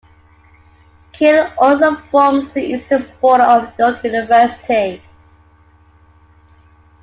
Keele also forms the eastern border of York University.